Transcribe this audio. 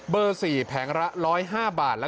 เบอร์๒แผงละ๑๑๕บาท